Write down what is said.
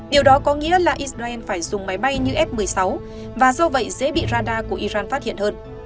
điều đó có nghĩa là israel phải dùng máy bay như f một mươi sáu và do vậy dễ bị radar của iran phát hiện hơn